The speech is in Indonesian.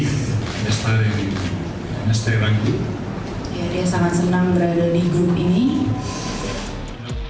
sangat senang berada di grup ini